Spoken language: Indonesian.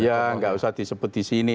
ya nggak usah disebut di sini